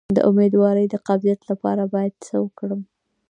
د امیدوارۍ د قبضیت لپاره باید څه وکړم؟